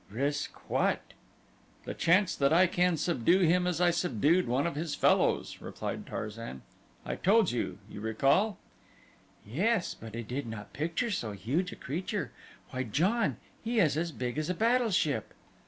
"Risk what?" "The chance that I can subdue him as I subdued one of his fellows," replied Tarzan. "I told you you recall?" "Yes, but I did not picture so huge a creature. Why, John, he is as big as a battleship."